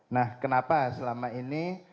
nah kenapa selama ini